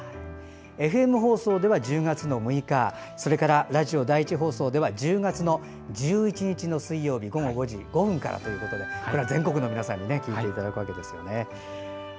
ＦＭ放送では１０月６日ラジオ第１放送では１０月１１日の水曜日午後５時５分からということで全国の皆さんに聴いていただくわけですよね。